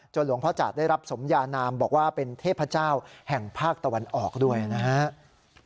หลวงพ่อจาดได้รับสมยานามบอกว่าเป็นเทพเจ้าแห่งภาคตะวันออกด้วยนะครับ